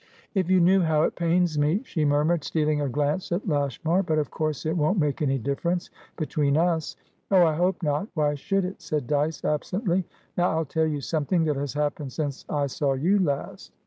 "If you knew how it pains me!" she murmured, stealing a glance at Lashmar. "But of course it won't make any differencebetween us." "Oh, I hope not. Why should it?" said Dyce, absently. "Now I'll tell you something that has happened since I saw you last."